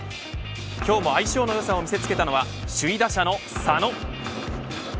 今日も相性のよさを見せ付けたのは首位打者の佐野。